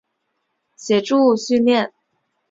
协助训练。